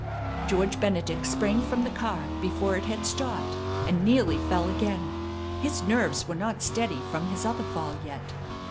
George Benedict sprang from the car before it had stopped, and nearly fell again. His nerves were not steady from his other fall yet.